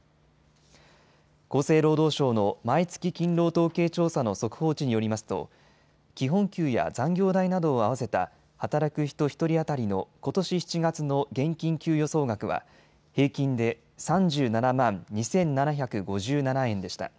厚生労働省の毎月勤労統計調査の速報値によりますと基本給や残業代などを合わせた働く人１人当たりのことし７月の現金給与総額は平均で３７万２７５７円でした。